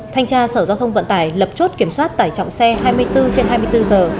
thanh tra sở giao thông vận tải lập chốt kiểm soát tải trọng xe hai mươi bốn trên hai mươi bốn giờ